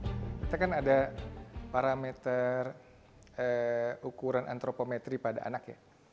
kita kan ada parameter ukuran antropometri pada anak ya